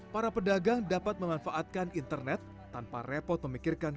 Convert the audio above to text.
para pedagang dapat memanfaatkan internet tanpa repot memikirkan